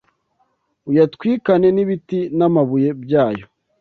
uyatwikane n’ibiti n’amabuye byayo.